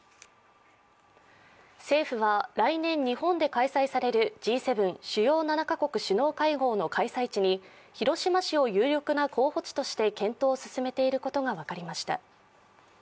政府は来年日本で開催されるＧ７＝主要７か国首脳会合の開催地に広島市を有力な候補地として検討を進めていることが分かりました。